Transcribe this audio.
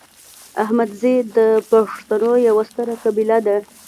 احمدزي د پښتنو یوه ستره قبیله ده